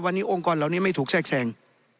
วันนี้องค์กรเหล่านี้ไม่ถูกแทรกแทรง